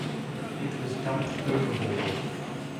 It was dumped overboard.